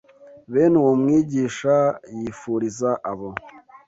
bene uwo mwigisha yifuriza abo